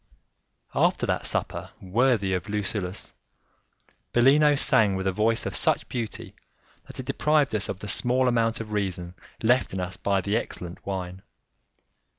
After that supper worthy of Lucullus, Bellino sang with a voice of such beauty that it deprived us of the small amount of reason left in us by the excellent wine.